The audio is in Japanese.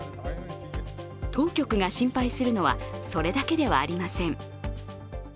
当局が心配するのはそれだけではありません。